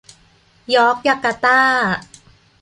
ยอร์คยาการ์ต้า